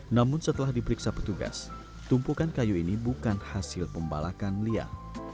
namun setelah diperiksa petugas tumpukan kayu ini bukan hasil pembalakan liar